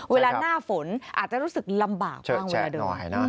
เวลาหน้าฝนอาจจะรู้สึกลำบากบ้างเวลาเดิน